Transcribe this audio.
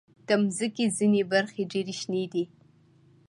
د مځکې ځینې برخې ډېر شنې دي.